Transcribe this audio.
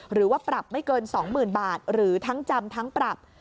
หรือว่าปรับไม่เกิน๒๐๐๐บาทหรือทั้งจำทั้งปรับ